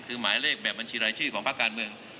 คือหมายเลขแบบบัญชีรายชื่อของภาคการเมือง